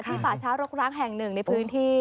ป่าช้ารกร้างแห่งหนึ่งในพื้นที่